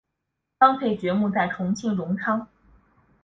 张培爵墓在重庆荣昌。